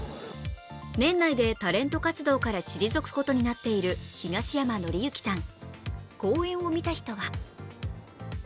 年内でタレント活動から退くことになっている東山紀之さん。